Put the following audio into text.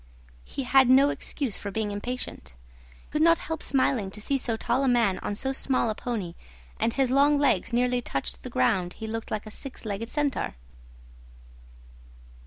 He had no excuse for being impatient. I could not help smiling to see so tall a man on so small a pony, and as his long legs nearly touched the ground he looked like a six legged centaur.